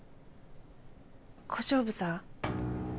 小勝負さん？